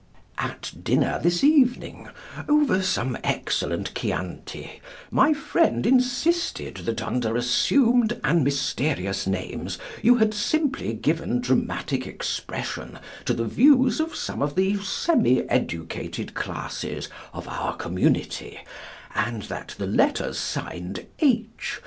At dinner this evening, over some excellent Chianti, my friend insisted that under assumed and mysterious names you had simply given dramatic expression to the views of some of the semi educated classes of our community, and that the letters signed "H."